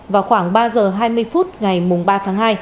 vào khoảng ba giờ hai mươi phút ngày ba tháng hai